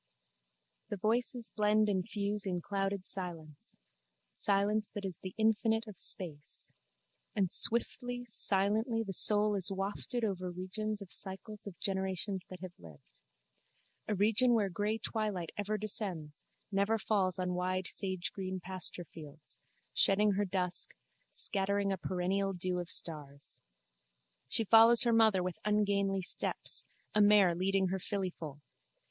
The voices blend and fuse in clouded silence: silence that is the infinite of space: and swiftly, silently the soul is wafted over regions of cycles of generations that have lived. A region where grey twilight ever descends, never falls on wide sagegreen pasturefields, shedding her dusk, scattering a perennial dew of stars. She follows her mother with ungainly steps, a mare leading her fillyfoal.